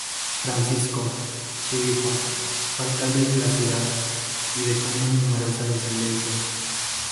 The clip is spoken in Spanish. Francisco, su hijo, fue alcalde de la ciudad, y dejó una numerosa descendencia.